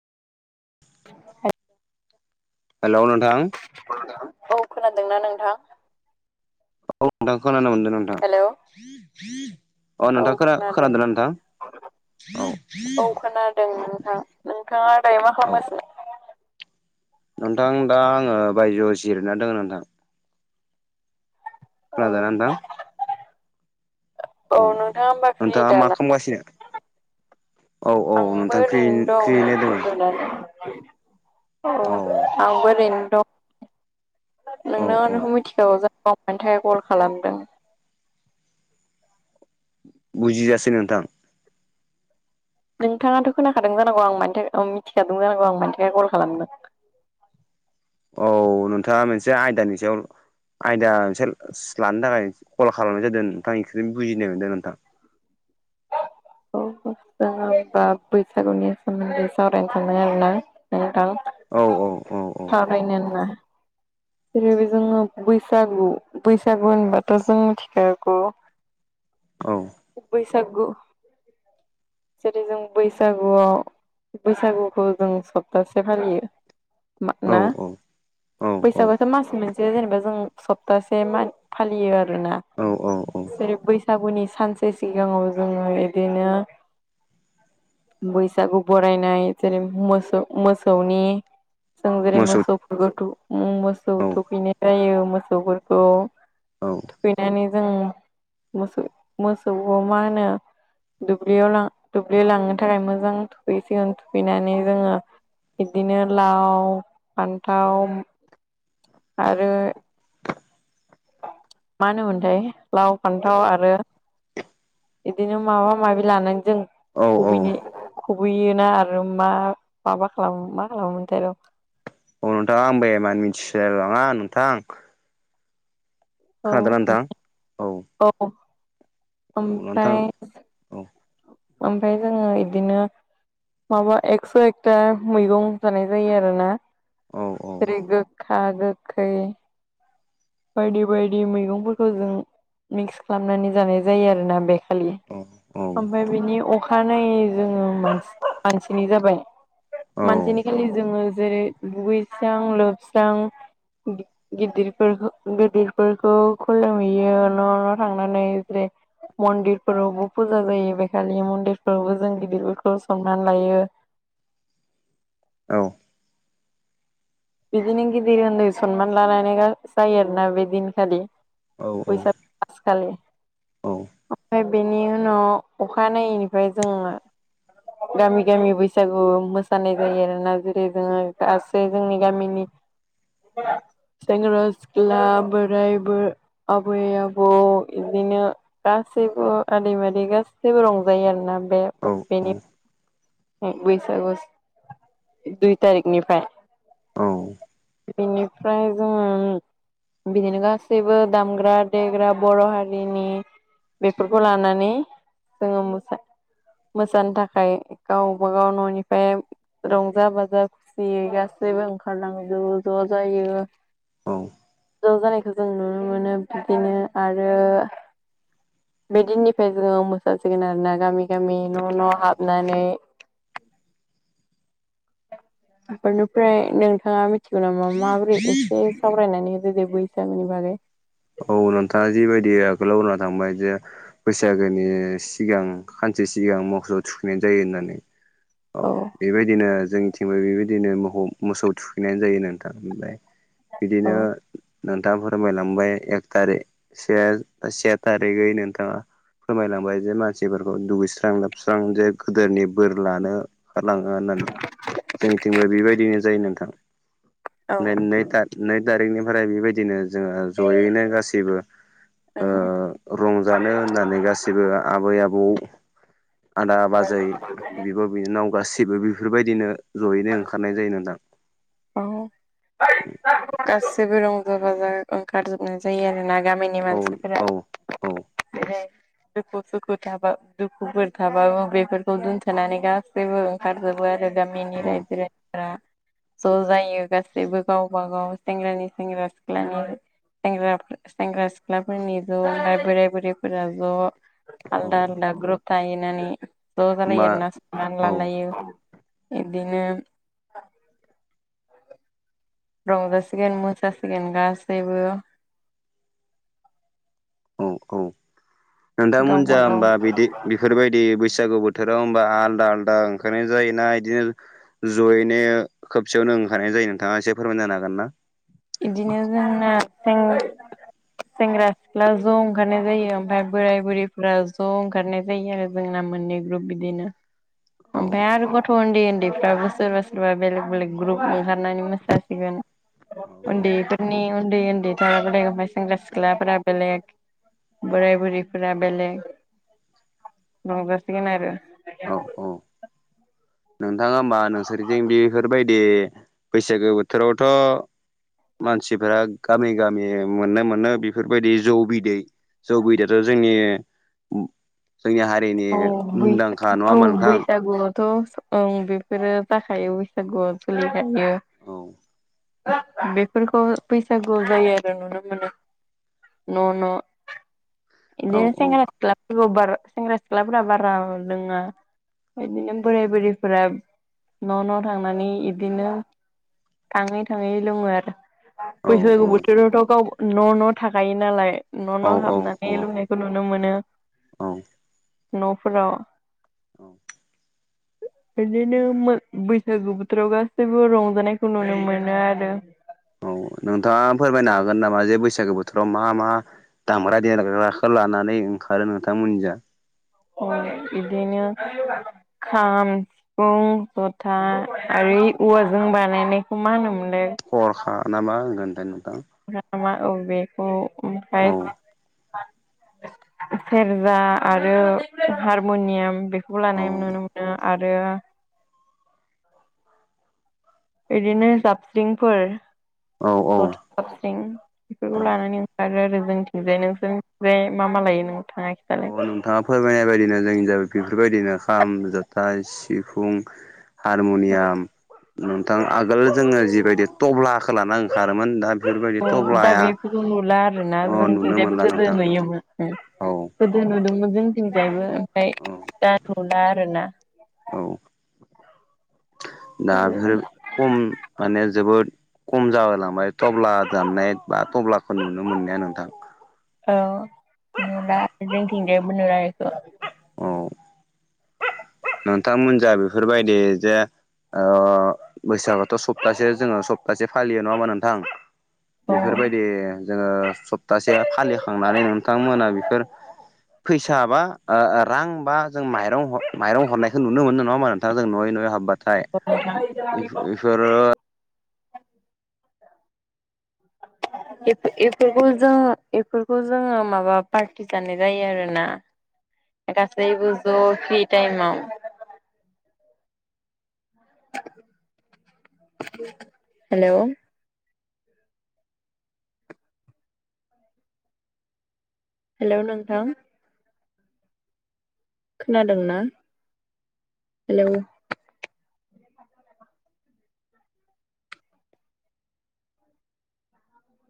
[unintelligible] हेल' नोंथां औ खोनादोंना नोंथां? औ नोंथां खोनानो मोनदोंना हेल' अ नोंथां खोना खोनादोंना नोंथां औ खोनादों नोंथां नोंथाङा दायो मा औ खालामगासिनो नोंथां दा आङो बायजो'आव जिरायना दङ नोंथां खोनादोंना औ नोंथां औ नोंथाङा होमबा फ्रि नोंथाङा मा दाना खामगासिनो? आंबो ओरैनो फ्रियैनो दोङो दं [unintelligible] औ आंबो ओरैनो दं। औ नोंनाव औ नोंखौ मिथिखागौ ज मानि थाखाय कल खालामदों बुजिजासै नोंथां नोंथाङाथ' खोनाखादों जानांगौ आं मानि थाखाय मिथिखादों जानांगौ आं मानि थाखाय कल खालामदों औ नोंथाङा मोनसे आयदानि सायाव आयदा मोनसे लानो थाखाय कल खालामनाय जादों नोंथां एस बुजिनाय मोनदों नोंथां। औ ज बा बैसागुनि सोमोन्दै सावरायनो सांबाय आरो ना नोंथां। औ औ औ औ [unintelligible] जेरै जोङो बैसागु बैसागु होनबाथ' जों मिथिखागौ। औ बैसागु जेरै जों बैसागुआव बैसागुखौ जों सप्तासे फालियो। मान औ ना औ बैसागुआथ' मास मोनसे जेनेबा जों सप्तासे फालियो आरोना। औ औ औ जेरै बैसागुनि सानसे सिगाङाव जोङो इदिनो बैसागु बरायनाय जेरै मोसौ मोसौनि जों जेरै मोसौ मोसौफोरखौ थु मोसौ औ थुफैनाय जायो मोसौफोरखौ औ थुखैनानै जों मोसौ मोसौखौ मा होनो दुब्लियाव लां दुब्लि लांनो थाखाय मोजां थुखैसिगोन थुखैनानै जोङो बिदिनो लाव फान्थाव आरो मा होनोमोनथाय लाव फान्थाव आरो इदिनो माबा माबि लानानै जों औ औ खुबैन खुबैयोना आरो मा माबा खालामो मा खालामोमोनथाय र' अ नोंथाङा आंबो एमान मिथिसोलांआ नोंथां औ खोनादोंना नोंथां औ औ औ नोंथां ओमफ्राय औ ओमफ्राय जोङो इदिनो माबा एकस' एकताका मैगं जानाय जायो आरोना औ जेरै गो खा गोखै बायदि बायदि मैगंफोरखौ जों मिक्स खालामनानै जानाय जायो आरोना बेखालि। औ औ ओमफ्राय बिनि अखा अखानायै जोङो मासि मानसिनि जाबाय औ मानसिनि खालि जोङो जेरै दुगैस्रां लोबस्रां गिदिर गिदिरफोरखौ खुलुमहैयो न' न' थांनानै जेरै मन्दिरफोरावबो फुजा जायो बेखालि मन्दिरफोरावबो जों गिदिरफोरखौ सनमान लायो। औ बिदिनो गिदिर उन्दै सनमान लालायनाय जायो आरोना बे दिनखालि बैसाग फासआखालि औ ओमफ्राय बेनि उनाव अखानायैनिफ्राय जोङो गामि गामि बैसागु मोसानाय जायो आरोना जेरै जोङो गासै जोंनि गामिनि सेंग्रा सिख्ला बोराय बुर आबै आबौ इदिनो गासैबो आदै मादि गासैबो रंजायो आरोना बे बेनि बैसागु दुइ तारिखनिफ्राय। औ। बेनिफ्राय जोङो बिदिनो गासैबो दामग्रा देग्रा बर' हारिनि बेफोरखौ लानानै जोङो म मोसानो थाखाय गावबाागाव न'निफ्राय रंजा बाजा खुसियै गासैबो ओंखारलांजोबो ज' ज' जायो। औ। ज' जानायखौ जों नुनो मोनो बिदिनो आरो बे दिननिफ्राय जोङो मोसासिगोन आरो ना गामि गामि न' न' हाबनानै‌ बेनिफ्राय नोंथाङा मिथिगौ नामा माबोरै ए सावरायनानै होदो बैसागुनि बागै औ नोंथाङा जिबायदि आगोलाव बुंना थांबाय जे बैसागोनि सिगां खानसे सिगां मोसौ थुखैनाय जायो होननानै। औ बेबायदिनो जोंनिथिंबो बेबायदिनो मोखौ मोसौ थुखैनाय जायो नोंथां ओमफ्राय बिदिनो औ नोंथाङा फोरमायलांबाय एक थारिक से से तारि गाय नोंथां आ फोरमायलांबाय जे मानसिफोरखौ दुगैस्रां लोबस्रां जे गोदोनि बोर लानो लाङो होननानै जोंनिथिंबो बेबायदिनो जायो नोंथां। औ बे नै था नै थारिखनिफ्राय बेबायदिनो जोङो जयैनो गासैबो ओ रंजानो होननानै गासिबो आबै आबौ आदा बाजै बिब' बिनानाव गासैबो बेफोरबायदिनो ज'यैनो ओंखारनाय जायो नोंथां। औ [unintelligible] गासिबो रंजा बाजा ओंखारजोबनाय जायो आरो ना गामिनि औ मानसिफोरा औ औ [unintelligible] दुखु सुखु थाबा दुखुफोर थाबाबो बेफोरखौ दोनथ'नानै गासैबो ओंखारजोबो आरो गामिनि औ रायजो राजाफोरा ज' जायो गासैबो गावबा गाव सेंग्रानि सेंग्रा सिख्लानि सेंग्रा सेंग्रा सिख्लाफोरनि ज' ओमफ्राय बोराइ बुरैफोरा ज' औ आलदा आलदा ग्रुप थाहैनानै ज जालायो होमबा इरनान औ लालायो। बिदिनो रंजासिगोन मोसासिगोन गासैबो। औ औ गावबा नोंथांमोनजा गाव होनबा बिदि बेफोरबायदि बैसागु बोथोराव होनबा आलदा आलदा ओंखारनाय जायोना बिदिनो जयैनो खबसेयावनो ओंखारनाय जायो नोंथाङा एसे फोरमाय जानो हागोन ना? बिदिनो जोंनाें [unintelligible] सेंग्रा सिख्ला ज' ओंखारनाय जायो ओमफ्राय बोराय बुरैफोरा ज' ओंखारनाय ज जायो आरो जोंना मोननै ग्रुप बिदिनो, औ ओमफ्राय आरो गथ' उन्दै उन्दै फोराबो सोरबा सोरबा बेलेग बेलेग ग्रुप ओंखारनानै मोसा जासिगोन। औ उन्दैफोरनि उन्दै उन्दै जों बेलेक ओमफ्राय सेंग्रा सिख्लाफोरा बेलेक बोराय बुरैफोरा बेलेग, रंजासिगोन आरो। औ औ। नोंथाङा होमबा नोंसोरजों बेफोरबायदि बैसागो बोथोरावथ' मानसिफोरा गामि गामि मोनो मोनो बेफोरबायदि जौ बिदै जौ गैदयाथ' जोंनि [unintelligible] जोंनि हारिनि औ बै मुंदां औ बैसागुआवथ' ओं बेफोरो जाखायो ज ग जलि जायो औ बेफोरखौ बैसागुआव जायो आरो नुनो मोनो। न'न' औ बिदिनो औ सेंग्रा सिख्लाफोर सिख्लाफोरा बारा लोंङा बिदिनो बोराय बुरैफोरा न' न' थांनानै इदिनो थाङै थाङै लोङो आरो औ बैसागु बोथोरावथ' गाव न' न' थाखायो नालाय न' न' औ औ हाबनानै लुनायखौ नुनो मोनो औ न'फोराव औ। [inaudible] बिदिनो बैसागु बोथोराव गासैबो रंजानायखौ नुनो मोनो आरो। औ नोंथाङा फोरमायनो हागोन नामा जे बैसागो बोथोराव मा मा दामग्रा देग्राखौ लानानै ओंखारो नोंथांमोननि जा बिदिनो खाम गुं जथा आरो औवाजों बानायनायखौ मा होनोमोनलाय? खरखा नामा होनोथाय नोंथां [unintelligible] औ बेखौ ओमफ्राय औ सेरजा आरो हारमनियाम बे फखौ औ लानाय नुनो मोनो आरो बिदिनो जाबस्रिंफोर औ औ जथा साबस्रिं औ बेफोरखौ लानानै आरो आरो जोंथिंजाय नोंसोर जे मा मा लायो नोंथाङा खिथा नोंथाङा फोरमायनाय बायदिनो जोंनि बेफोरबायदिनो खाम, जथा, सिफुं, हारमुनियाम नोंथां आगोल जोङो जिबायदि टब्लाखौ लाना ओंखारोमोन दा बेफोरबायदि अ दा टब्लाया बेफोरखौ नुला आरोना अ नुनो जोंथिंजायबो मोनला गोदो नोंथां नुयोमोन औ गोदो नुदोंमोन जोंथिंजायबो ओमफ्राय औ दा नुला आरो ना। औ दा [unintelligible] खम माने जोबोद खम जाबोलांबाय टब्ला दामनाय बा टब्लाखौ नुनो मोनलिया नोंथां। औ नुला जोंथिंजायबो नुला बेखौ औ नोंथांमोनजा बेफोरबायदि जे बैसागुआथ' सप्तासे जोङो सप्तासे फालियो नङा होमबा नोंथां? औ बेफोरबायदि जोङो सप्तासे फालिखांनानै नोंथांमोना बेफोर फैसा बा रां बा जों माइरं हर माइरं हरनायखौ नुनो मोनो नङा होमबा नोंथां जों न'यै न'यै हाबबाथाय नोंथां बेफोरो [inaudible] एफोरखौ जों बेफोरखौ जोङो माबा पार्टि जानाय जायो आरोना गासैबो ज' फ्रि टाइमआव [unintelligible] हेलौ हेल' नोंथां खोनादोंना हेलौ